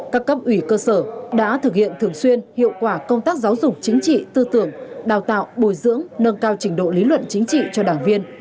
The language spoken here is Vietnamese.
các cấp ủy cơ sở đã thực hiện thường xuyên hiệu quả công tác giáo dục chính trị tư tưởng đào tạo bồi dưỡng nâng cao trình độ lý luận chính trị cho đảng viên